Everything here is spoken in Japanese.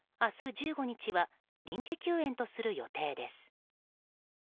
１５日は臨時休園とする予定です。